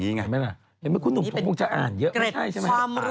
อืมฉันชอบ